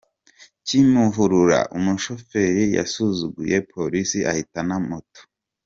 Kimihurura Umushoferi yasuzuguye Polisi ahitana moto